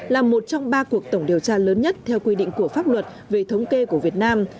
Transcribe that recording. là một trong ba cuộc tổng điều tra lớn nhất theo quy định của pháp luật về thống kê của việt nam